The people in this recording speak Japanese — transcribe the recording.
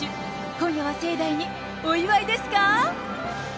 今夜は盛大にお祝いですか？